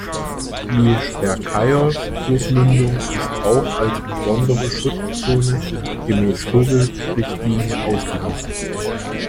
Die Spercheios-Flussmündung ist auch als besondere Schutzzone gemäß Vogelrichtlinie ausgewiesen.